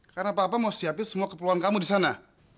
karena papa mau siapin semua keperluan kamu di sana